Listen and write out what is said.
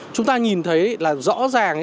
chúng ta nhìn thấy là rõ ràng